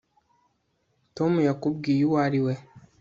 tom yakubwiye uwo ari we